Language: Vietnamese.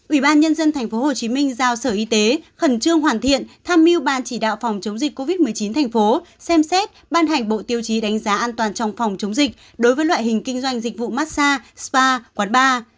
ubnd tp hcm giao sở y tế khẩn trương hoàn thiện tham mưu bàn chỉ đạo phòng chống dịch covid một mươi chín tp hcm xem xét ban hành bộ tiêu chí đánh giá an toàn trong phòng chống dịch đối với loại hình kinh doanh dịch vụ massage spa quán bar